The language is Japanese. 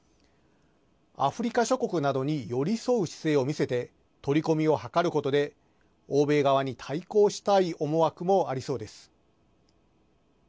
アフリカ諸国などに寄り添う姿勢などを見せて、取り込みを図ることで欧米側に対抗したい思惑もありそうです。